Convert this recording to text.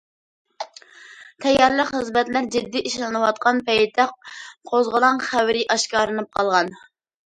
تەييارلىق خىزمەتلەر جىددىي ئىشلىنىۋاتقان پەيتتە قوزغىلاڭ خەۋىرى ئاشكارىلىنىپ قالغان.